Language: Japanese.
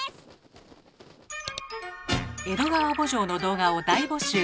「江戸川慕情」の動画を大募集。